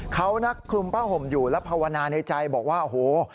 เขานักคลุมผ้าห่มอยู่และภาวนาในใจบอกว่าโอ้โห